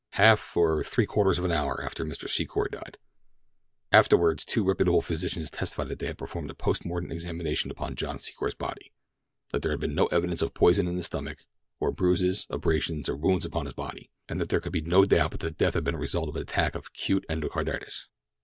"Half or three quarters of an hour after Mr. Secor died." Afterward two reputable physicians testified that they had performed a post mortem examination upon John Secor's body—that there had been no evidence of poison in his stomach, or bruises, abrasions, or wounds upon his body, and that there could be no doubt but that death had been the result of an attack of acute endocarditis.